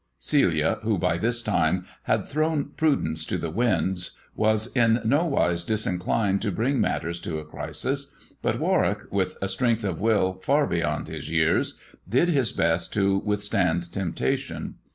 Celia, who by this time had thrown prudence to the winds, ^as in nowise disin clined to bring matters to a crisis, but Warwick, with a strength of will far beyond his years, did his best to with stand temptation.